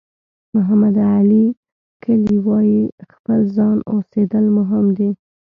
محمد علي کلي وایي خپل ځان اوسېدل مهم دي.